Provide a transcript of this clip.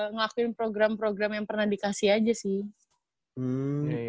ngelakuin program program yang pernah dikasih aja sih